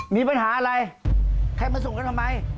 มีปัญหาอะไรใครมาส่งกันทำไม